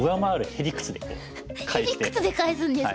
へ理屈で返すんですか。